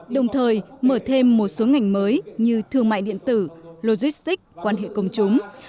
đồng thời mở thêm một số ngành mới như thương mại điện tử logistics quan hệ công chúng